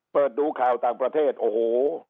เปิดดูข่าวต่างประเทศโอ้โห